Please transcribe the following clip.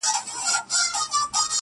چي ګلاب وي غوړېدلی د سنځلي بوی لګیږي.!